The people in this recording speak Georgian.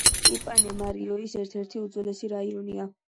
იპანემა რიოს ერთ-ერთი უძვირესი რაიონია.